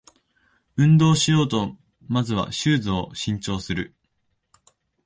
運動しようとまずはシューズを新調する